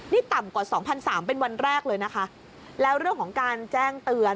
นี่ต่ำกว่าสองพันสามเป็นวันแรกเลยนะคะแล้วเรื่องของการแจ้งเตือน